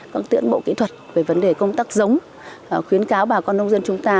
các tiến bộ kỹ thuật về vấn đề công tác giống khuyến cáo bà con nông dân chúng ta